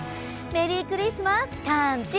メリークリスマスカンチ！